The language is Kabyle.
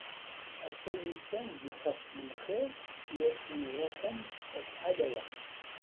Atan ufan-d ixef n lxiḍ i asen-iruḥen acḥal-aya.